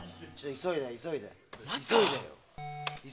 急いで急いで。